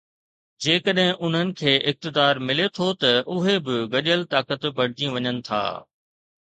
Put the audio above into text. جيڪڏهن انهن کي اقتدار ملي ٿو ته اهي به گڏيل طاقت بڻجي وڃن ٿا.